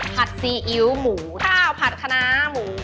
ซีอิ๊วหมูข้าวผัดคณะหมู